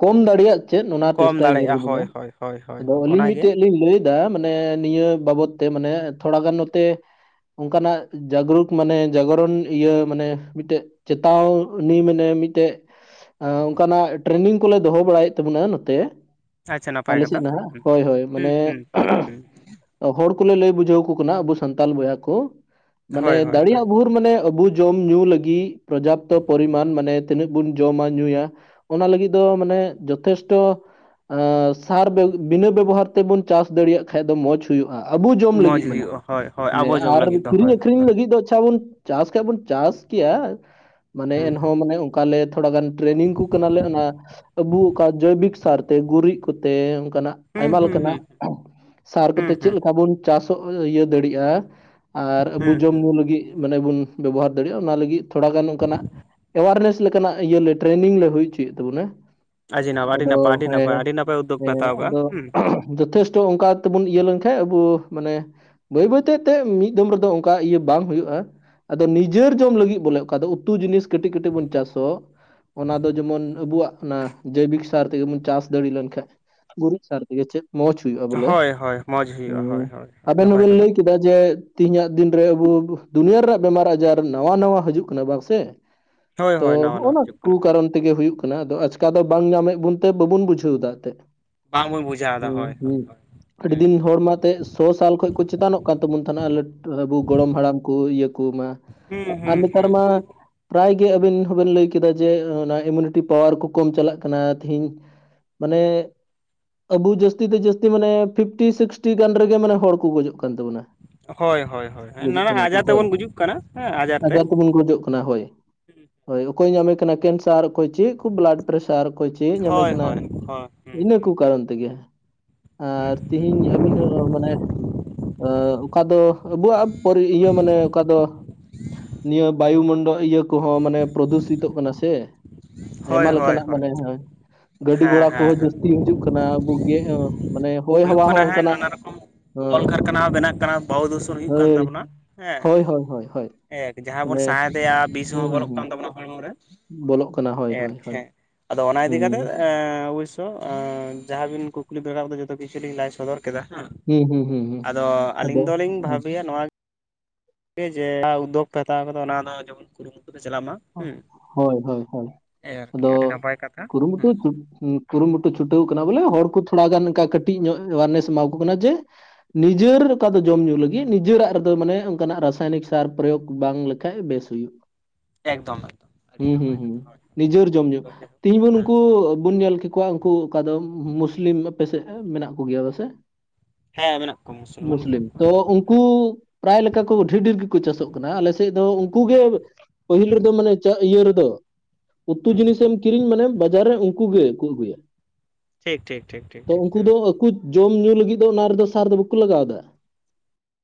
ᱠᱚᱢ ᱫᱟᱲᱮᱭᱟᱜ ᱪᱮᱫ ᱚᱱᱟ ᱠᱚᱢ ᱴᱮᱥᱴᱟᱭ ᱫᱟᱲᱮᱭᱟᱜᱼᱟ ᱡᱟᱹᱨᱩᱲ ᱵᱚᱱᱟ ᱦᱳᱭ ᱦᱳᱭ ᱦᱳᱭ ᱦᱳᱭ ᱟᱫᱚ ᱦᱳᱭ ᱟᱹᱞᱤᱧ ᱚᱱᱟᱜᱮ ᱢᱤᱫᱴᱮᱡ ᱞᱤᱧ ᱞᱟᱹᱭ ᱫᱟ ᱢᱟᱱᱮ ᱱᱤᱭᱟᱹ ᱵᱟᱵᱚᱫ ᱛᱮ ᱢᱟᱱᱮ ᱛᱷᱚᱲ ᱜᱟᱱ ᱱᱚᱛᱮ ᱚᱱᱠᱟᱱᱟᱜ ᱡᱟᱜᱽᱨᱩᱠ ᱢᱟᱱᱮ ᱡᱟᱜᱚᱨᱚᱱ ᱤᱭᱟᱹ ᱢᱟᱱᱮ ᱢᱤᱫᱴᱮᱡ ᱪᱮᱛᱟᱣ ᱱᱤ ᱢᱟᱱᱮ ᱢᱤᱫᱴᱮᱡ᱾ ᱟᱣ ᱚᱱᱠᱟ ᱱᱟᱜ ᱴᱨᱮᱱᱤᱝ ᱠᱚᱞᱮ ᱫᱚᱦᱚ ᱵᱟᱲᱟᱭ ᱮᱫ ᱛᱟᱵᱚᱱᱟ ᱱᱚᱛᱮ᱾ ᱟᱪᱪᱷᱟ ᱱᱟᱯᱟᱭ ᱟᱞᱮ ᱥᱮᱫ ᱠᱟᱛᱷᱟ ᱱᱟᱦᱟᱜ ᱦᱩᱸ ᱦᱳᱭ ᱦᱳᱭ ᱢᱟᱱᱮ ᱦᱩᱸ ᱦᱩᱸ ᱦᱩᱸ ᱦᱩᱸ [unintelligible] ᱾ ᱦᱚᱲ ᱠᱚᱞᱮ ᱞᱟᱹᱭ ᱵᱩᱡᱷᱟᱹᱣᱟ ᱠᱩ ᱠᱟᱱᱟ ᱟᱵᱚ ᱥᱟᱱᱛᱟᱞ ᱵᱚᱭᱦᱟ ᱠᱚ ᱢᱟᱱᱮ ᱦᱳᱭ ᱦᱳᱭ ᱦᱳᱭ ᱫᱟᱲᱮᱭᱟᱜ ᱵᱷᱳᱨ ᱢᱟᱱᱮ ᱟᱵᱩ ᱡᱚᱢ ᱧᱩ ᱞᱟᱹᱜᱤᱫ ᱯᱚᱨᱡᱟᱯᱛᱚ ᱯᱚᱨᱤᱢᱟᱱ ᱢᱟᱱᱮ ᱛᱤᱱᱟᱹᱜ ᱵᱚᱱ ᱡᱚᱢᱟ ᱧᱩᱭᱟ᱾ ᱚᱱᱟ ᱞᱟᱹᱜᱤᱫ ᱫᱚ ᱢᱟᱱᱮ ᱡᱚᱛᱷᱮᱥᱴᱚ ᱟᱸ ᱥᱟᱨ ᱵᱮ ᱵᱤᱱᱟᱹ ᱵᱮᱵᱚᱦᱟᱨ ᱛᱮᱵᱚᱱ ᱪᱟᱥ ᱫᱟᱲᱮᱭᱟᱜ ᱠᱷᱟᱡ ᱫᱚ ᱢᱚᱡᱽ ᱦᱩᱭᱩᱜ-ᱟ ᱟᱵᱩ ᱡᱚᱢ ᱢᱚᱡᱽ ᱞᱟᱹᱜᱤᱫ᱾ ᱢᱮᱱᱟ ᱦᱩᱭᱩᱜᱼᱟ ᱦᱳᱭ ᱦᱳᱭ ᱟᱵᱚ ᱦᱮᱸ ᱡᱚᱢ ᱟᱨ ᱞᱟᱹᱜᱤᱫ ᱫᱚ ᱦᱳᱭ ᱠᱤᱨᱤᱧ ᱦᱳᱭ ᱟᱹᱠᱷᱨᱤᱧ ᱦᱳᱭ ᱞᱟᱹᱜᱤᱫ ᱫᱚ ᱟᱪᱷᱟ ᱵᱩᱱ ᱪᱟᱥ ᱠᱷᱟᱡ ᱵᱚᱱ ᱪᱟᱥ ᱠᱮᱭᱟ᱾ ᱢᱟᱱᱮ ᱦᱩᱸ ᱮᱱᱦᱚᱸ ᱢᱟᱱᱮ ᱚᱱᱠᱟᱞᱮ ᱛᱷᱚᱲᱟ ᱜᱟᱱ ᱴᱨᱮᱱᱤᱝ ᱠᱚ ᱠᱟᱱᱟᱞᱮ ᱚᱱᱟ ᱟᱵᱩ ᱚᱠᱟ ᱡᱳᱭᱵᱤᱠ ᱥᱟᱨᱛᱮ ᱜᱩᱨᱤᱡ ᱠᱚᱛᱮ ᱚᱱᱠᱟ ᱱᱟᱜ᱾ ᱦᱩᱸ ᱟᱭᱢᱟ ᱦᱩᱸ ᱞᱮᱠᱟᱱᱟᱜ ᱦᱩᱸ ᱥᱟᱨ ᱠᱚᱛᱮ ᱦᱩᱸ ᱪᱮᱜ ᱦᱩᱸ ᱞᱮᱠᱟ ᱵᱚᱱ ᱪᱟᱥ ᱤᱭᱟᱹ ᱫᱟᱲᱮᱭᱟᱜ-ᱟ᱾ ᱟᱨ ᱦᱩᱸ ᱟᱵᱩ ᱡᱚᱢ ᱦᱩᱸ ᱧᱩ ᱞᱟᱹᱜᱤᱫ ᱢᱟᱱᱮ ᱵᱚᱱ ᱵᱮᱵᱚᱦᱟᱨ ᱫᱟᱲᱮᱭᱟᱜ-ᱟ ᱚᱱᱟ ᱞᱟᱹᱜᱤᱫ ᱛᱷᱚᱲᱟ ᱜᱟᱱ ᱚᱱᱠᱟ ᱱᱟᱜ ᱮᱣᱟᱨᱱᱮᱥ ᱞᱮᱠᱟᱱᱟᱜ ᱤᱭᱟᱹ ᱞᱮ ᱴᱨᱮᱱᱤᱝ ᱞᱮ ᱦᱩᱭ ᱪᱩᱭ ᱮᱫ ᱛᱟᱵᱚᱱᱟ᱾ ᱟᱹᱰᱤ ᱱᱟᱯᱟᱭ ᱟᱫᱚ ᱟᱹᱰᱤ ᱱᱟᱯᱟᱭ ᱟᱹᱰᱤ ᱦᱮᱸ ᱱᱟᱯᱟᱭ ᱟᱹᱰᱤ ᱱᱟᱯᱟᱭ ᱩᱫᱽᱫᱳᱜᱽ ᱯᱮ ᱦᱮᱸ ᱦᱟᱛᱟᱣ ᱠᱟᱜᱼᱟ ᱟᱫᱚ ᱦᱩᱸ [unintelligible] ᱡᱚᱛᱷᱮᱥᱴᱚ ᱚᱱᱠᱟ ᱛᱮᱵᱚᱱ ᱤᱭᱟᱹ ᱞᱮᱱᱠᱷᱟᱡ ᱟᱵᱩ ᱢᱟᱱᱮ ᱵᱟᱹᱭ ᱵᱟᱹᱭᱛᱮ ᱛᱮ ᱢᱤᱫ ᱫᱚᱢ ᱨᱮᱫᱚ ᱚᱱᱠᱟ ᱤᱭᱟᱹ ᱵᱟᱝ ᱦᱩᱭᱩᱜ-ᱟ᱾ ᱟᱫᱚ ᱱᱤᱡᱮᱨ ᱡᱚᱢ ᱞᱟᱹᱜᱤᱫ ᱵᱚᱞᱮ ᱚᱠᱟ ᱫᱚ ᱩᱛᱩ ᱡᱤᱱᱤᱥ ᱠᱟᱹᱴᱤᱡ ᱠᱟᱹᱴᱤᱡ ᱵᱚᱱ ᱪᱟᱥᱚᱜ᱾ ᱚᱱᱟ ᱫᱚ ᱡᱮᱢᱚᱱ ᱟᱵᱩᱣᱟᱜ ᱚᱱᱟ ᱡᱳᱭᱵᱤᱠ ᱥᱟᱨ ᱛᱮᱜᱮ ᱵᱩᱱ ᱪᱟᱥ ᱫᱟᱹᱲᱤ ᱞᱮᱱᱠᱷᱟᱡ᱾ ᱜᱩᱨᱤᱡ ᱥᱟᱨ ᱛᱮᱜᱮ ᱪᱮᱫ ᱢᱚᱡᱽ᱾ ᱦᱳᱭ ᱦᱳᱭ ᱢᱚᱡᱽ ᱦᱩᱭᱩᱜ-ᱟ ᱦᱳᱭ ᱦᱳᱭ, ᱟᱵᱮᱱ ᱢᱟ ᱱᱟᱯᱟᱭ ᱵᱮᱱ ᱞᱟᱹᱭ ᱠᱟᱛᱷᱟ ᱠᱮᱫ ᱡᱮ ᱛᱤᱦᱤᱧ-ᱟᱜ ᱫᱤᱱᱨᱮ ᱟᱵᱩ ᱫᱩᱱᱭᱟᱹ ᱨᱮᱱᱟᱜ ᱵᱮᱢᱟᱨ ᱟᱡᱟᱨ ᱱᱟᱣᱟ ᱱᱟᱣᱟ ᱦᱤᱡᱩᱜ ᱠᱟᱱᱟ ᱵᱟᱝ ᱥᱮ? [inaudible] ᱛᱚ ᱱᱟᱣᱟ ᱱᱟᱣᱟ ᱦᱚᱸᱜᱼᱱᱟ ᱦᱤᱡᱩᱜ ᱠᱩ ᱠᱟᱱᱟ ᱠᱟᱨᱚᱱ ᱛᱮᱜᱮ ᱦᱩᱭᱩᱜ ᱠᱟᱱᱟ ᱟᱫᱚ ᱟᱪ ᱛᱚ ᱟᱫᱚ ᱵᱟᱝ ᱧᱟᱢᱮᱫ ᱵᱩᱱ ᱛᱮ ᱵᱟᱹᱵᱩᱱ ᱵᱩᱡᱷᱟᱹᱣ ᱫᱟᱜ ᱛᱮ ᱵᱟᱝ ᱵᱚᱱ ᱵᱩᱡᱷᱟᱹᱣ ᱮᱫᱟ ᱦᱩ ᱦᱳᱭ ᱦᱳᱭ ᱦᱩᱸ ᱦᱳᱭ ᱟᱹᱰᱤ ᱫᱤᱱ ᱦᱚᱲ ᱢᱟ ᱛᱮᱜ ᱥᱚ ᱥᱟᱞ ᱠᱷᱚᱡ ᱠᱚ ᱪᱮᱛᱟᱱᱚᱜ ᱠᱟᱱ ᱛᱟᱵᱩᱱ ᱛᱟᱦᱮᱱᱟᱹ ᱞᱟ ᱟᱵᱩ ᱜᱚᱲᱚᱢ ᱦᱟᱲᱟᱢ ᱠᱩ ᱤᱭᱟᱹ ᱠᱩ ᱢᱟ ᱦᱩᱸ ᱟᱨ ᱦᱩᱸ ᱱᱮᱛᱟᱨ ᱦᱩᱸ ᱢᱟ ᱯᱨᱟᱭ ᱜᱮ ᱟᱹᱵᱮᱱ ᱦᱚᱸᱵᱤᱱ ᱞᱟᱹᱭ ᱠᱮᱫᱟ ᱡᱮ ᱚᱱᱟ ᱤᱢᱤᱭᱩᱱᱤᱴᱤ ᱯᱟᱣᱟᱨ ᱠᱚᱢ ᱪᱟᱞᱟᱜ ᱠᱟᱱᱟ ᱛᱤᱦᱤᱧ ᱢᱟᱱᱮ ᱟᱵᱩ ᱡᱟᱹᱥᱛᱤ ᱛᱮ ᱡᱟᱹᱥᱛᱤ ᱢᱟᱱᱮ ᱯᱷᱤᱯᱴᱤ ᱥᱤᱠᱥᱴᱤ ᱜᱟᱱ ᱚᱱᱟ ᱨᱮᱜᱮ ᱢᱟᱱᱮ ᱦᱚᱲ ᱠᱚ ᱜᱚᱡᱚᱜ ᱠᱟᱱ ᱛᱟᱵᱚᱱᱟ ᱾ ᱦᱳᱭ ᱦᱳᱭ ᱦᱳᱭ ᱱᱟᱱᱟ ᱟᱡᱟᱨ ᱛᱮᱵᱚᱱ ᱜᱩᱡᱩᱜ ᱠᱟᱱᱟ ᱦᱮᱸ ᱟᱡᱟᱨ ᱛᱮ, ᱢᱟᱱᱮ ᱦᱳᱭ, ᱦᱳᱭ ᱚᱠᱚᱭ ᱧᱟᱢᱮ ᱠᱟᱱᱟ ᱠᱮᱱᱥᱟᱨ ᱚᱠᱚᱭ ᱪᱮᱫ ᱠᱩ ᱵᱞᱟᱰ ᱯᱮᱥᱟᱨ ᱠᱚ ᱪᱮ ᱧᱚᱢᱮ ᱦᱳᱭ ᱠᱟᱱᱟ? ᱦᱳᱭ ᱦᱳᱭ ᱦᱩᱸ ᱤᱱᱟᱹ ᱠᱚ ᱠᱟᱨᱚᱱ ᱛᱮᱜᱮ ᱟᱨ ᱛᱤᱦᱮᱧ ᱦᱩᱸ ᱟᱹᱵᱤᱱ ᱦᱚᱸ ᱢᱟᱱᱮ ᱟ ᱚᱠᱟ ᱫᱚ ᱟᱵᱩᱣᱟᱜ ᱯᱟᱨᱤ ᱤᱭᱟᱹ ᱢᱟᱱᱮ ᱚᱠᱟ ᱫᱚ ᱱᱤᱭᱟ ᱵᱟᱭᱩᱢᱚᱱᱰᱚ ᱤᱭᱟᱹ ᱠᱚᱦᱚᱸ ᱢᱟᱱᱮ ᱯᱨᱚᱫᱩᱥᱤᱛᱚᱜ ᱠᱟᱱᱟ ᱥᱮ, ᱦᱳᱭ ᱟᱭᱢᱟ ᱦᱳᱭ ᱞᱮᱠᱟᱱᱟᱜ ᱦᱳᱭ ᱢᱟᱱᱮ ᱜᱟᱹᱰᱤ ᱦᱮᱸ ᱜᱷᱚᱲᱟ ᱦᱮᱸ ᱠᱚᱦᱚᱸ ᱡᱟᱹᱥᱛᱤ ᱦᱤᱡᱩᱜ ᱠᱟᱱᱟ ᱟᱵᱩ ᱜᱮ ᱢᱟᱱᱮ ᱦᱚᱭ ᱦᱟᱵᱟ ᱦᱚ ᱚᱱᱠᱟᱱᱟᱜ ᱦᱮᱸ ᱠᱚᱞᱠᱟᱨᱠᱷᱟᱱᱟ ᱦᱚᱸ ᱵᱮᱱᱟᱜ ᱠᱟᱱᱟ ᱵᱟᱦᱩ ᱫᱷᱩᱥᱚᱱ ᱦᱩᱭᱩᱜ ᱠᱟᱱ ᱦᱳᱭ ᱛᱟᱵᱚᱱᱟ ᱦᱮᱸ ᱦᱳᱭ ᱦᱳᱭ ᱦᱳᱭ ᱦᱳᱭ ᱮᱠ ᱡᱟᱦᱟᱸ ᱵᱚᱱ ᱢᱟᱱᱮ ᱥᱟᱦᱮᱫᱮᱭᱟ ᱵᱤᱥ ᱦᱚᱸ ᱦᱩᱸ ᱦᱩᱸ ᱦᱚᱵᱚᱨᱚᱜ ᱦᱩᱸ ᱠᱟᱱ ᱛᱟᱵᱚᱱᱟ ᱦᱚᱲᱢᱚ ᱨᱮ ᱵᱚᱞᱚᱜ ᱠᱟᱱᱟ ᱦᱳᱭ ᱦᱳᱭ ᱮᱨᱮᱠ ᱦᱳᱭ ᱦᱮ ᱟᱫᱚ ᱚᱱᱟ ᱤᱫᱤ ᱠᱟᱛᱮ ᱦᱩᱸ ᱵᱟᱹᱥ ᱛᱚ ᱡᱟᱦᱟᱸᱵᱤᱱ ᱠᱩᱠᱞᱤ ᱵᱮᱲᱟ ᱫᱚ ᱡᱚᱛᱚ ᱠᱤᱪᱷᱩᱞᱤᱧ ᱞᱟᱭ ᱥᱚᱫᱚᱨ ᱠᱮᱫᱟ ᱦᱟ ᱦᱩᱸ ᱦᱩᱸ ᱦᱩᱸ ᱦᱩᱸ ᱟᱫᱚ ᱟᱹᱞᱤᱧ ᱟᱫᱚ ᱫᱚᱞᱤᱧ ᱵᱷᱟᱵᱤᱭᱟ ᱱᱚᱣᱟ ᱡᱮ ᱡᱟᱦᱟᱸ ᱩᱫᱫᱚᱠ ᱯᱮ ᱦᱟᱛᱟᱣ ᱠᱟᱫᱟ ᱚᱱᱟ ᱫᱚ ᱡᱮᱢᱚᱱ ᱠᱩᱨᱩᱢᱩᱴᱩ ᱨᱮ ᱪᱟᱞᱟᱜ ᱢᱟ ᱦᱩᱸ ᱦᱳᱭ ᱦᱳᱭ ᱦᱳᱭ ᱟᱨᱠᱤ ᱟᱫᱚ ᱟᱹᱰᱤ ᱱᱟᱯᱟᱭ ᱠᱟᱛᱷᱟ ᱦᱩᱸ ᱠᱩᱨᱩᱢᱩᱴᱩ ᱠᱩᱨᱩᱢᱩᱴᱩ ᱪᱷᱩᱴᱟᱹᱣ ᱠᱟᱱᱟ ᱵᱚᱞᱮ ᱦᱚᱲ ᱠᱚ ᱛᱷᱚᱲᱟ ᱜᱟᱱ ᱚᱱᱠᱟ ᱠᱟᱹᱴᱤᱡ ᱧᱚᱜ ᱮᱣᱟᱨᱱᱮᱥ ᱮᱢᱟ ᱠᱚ ᱠᱟᱱᱟ ᱡᱮ ᱱᱤᱡᱮᱨ ᱚᱠᱟ ᱫᱚ ᱡᱚᱢ ᱧᱩ ᱞᱟᱹᱜᱤᱫ ᱱᱤᱡᱮᱨᱟᱜ ᱨᱮᱫᱚ ᱢᱟᱱᱮ ᱚᱱᱠᱟᱱᱟᱜ ᱨᱟᱥᱟᱭᱱᱤᱠ ᱥᱟᱨ ᱯᱨᱚᱭᱳᱜ ᱵᱟᱝ ᱞᱟ ᱠᱷᱟᱡ ᱵᱮᱥ ᱦᱩᱭᱩᱜ ᱮᱠᱫᱚᱢ ᱮᱠᱫᱚᱢ ᱟᱹᱰᱤ ᱦᱩᱸ ᱱᱟᱯᱟᱭ ᱠᱟᱛᱷᱟ ᱦᱩᱸ ᱦᱳᱭ ᱱᱤᱡᱮᱨ ᱡᱚᱢ ᱧᱩ ᱛᱤᱦᱤᱧ ᱵᱩᱱ ᱦᱮᱸ ᱩᱱᱠᱩ ᱵᱩᱱ ᱧᱮᱞ ᱠᱮᱠᱚᱣᱟ ᱩᱱᱠᱩ ᱚᱠᱟ ᱫᱚ ᱢᱩᱥᱞᱤᱢ ᱟᱯᱮᱥᱮᱫ ᱢᱮᱱᱟᱜ ᱠᱚᱜᱮᱭᱟ ᱵᱟ ᱥᱮ? ᱦᱮᱸ ᱢᱮᱱᱟᱜ ᱠᱚᱣᱟ ᱢᱩᱥᱚᱞᱢᱟᱱ ᱢᱮᱱᱟᱜ ᱠᱚᱣᱟ᱾ ᱦᱩᱸ ᱠᱩ ᱯᱮᱨᱟᱭ ᱞᱮᱠᱟ ᱠᱚ ᱰᱷᱮᱨ ᱰᱷᱮᱨ ᱜᱮᱠᱚ ᱪᱟᱥᱚᱜ ᱠᱟᱱᱟ ᱟᱞᱮ ᱥᱮᱫ ᱫᱚ ᱩᱱᱠᱩ ᱜᱮ ᱯᱟᱹᱦᱤᱞ ᱨᱮᱫᱚ ᱢᱟᱱᱮ ᱪᱟᱜ ᱤᱭᱟᱹ ᱨᱮᱫᱚ, ᱩᱛᱩ ᱦᱩᱸ ᱡᱤᱱᱤᱥᱮᱢ ᱠᱤᱨᱤᱧ ᱢᱟᱱᱮ ᱵᱟᱡᱟᱨ ᱨᱮ ᱩᱱᱠᱩ ᱜᱮᱠᱚ ᱟᱹᱜᱩᱭᱟ᱾ ᱴᱷᱤᱠ ᱴᱷᱤᱠ ᱴᱷᱤᱠ ᱴᱷᱤᱠ ᱛᱚ ᱴᱷᱤᱠ ᱩᱱᱠᱩ ᱦᱮᱸ ᱫᱚ ᱟᱠᱩ ᱡᱚᱢ ᱧᱩ ᱞᱟᱹᱜᱤᱫ ᱫᱚ ᱚᱱᱟ ᱨᱮᱫᱚ ᱥᱟᱨ ᱫᱚ ᱵᱟᱠᱚ ᱞᱟᱜᱟᱣ-ᱫᱟ᱾